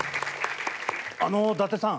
あの伊達さん。